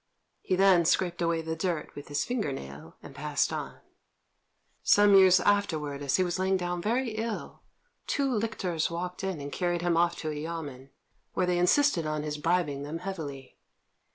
He then scraped away the dirt with his finger nail, and passed on. Some years afterwards, as he was lying down very ill, two lictors walked in and carried him off to a yamên, where they insisted on his bribing them heavily.